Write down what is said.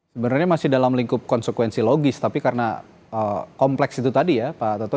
sebenarnya masih dalam lingkup konsekuensi logis tapi karena kompleks itu tadi ya pak toto